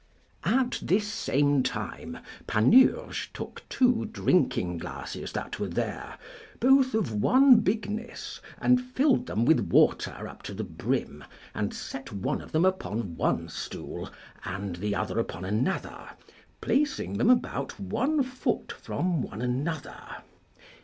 At this same time Panurge took two drinking glasses that were there, both of one bigness, and filled them with water up to the brim, and set one of them upon one stool and the other upon another, placing them about one foot from one another.